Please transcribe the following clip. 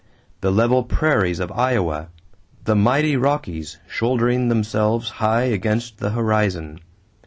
The level prairies of Iowa the mighty Rockies shouldering themselves high against the horizon!